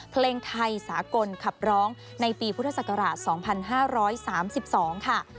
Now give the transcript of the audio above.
เพลงไทยสากลขับร้องในปีพุทธศักราช๒๕๓๒ค่ะ